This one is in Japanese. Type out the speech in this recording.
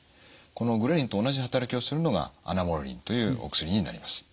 このグレリンと同じ働きをするのがアナモレリンというお薬になります。